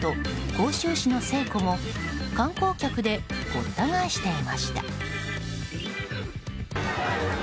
杭州市の西湖も観光客でごった返していました。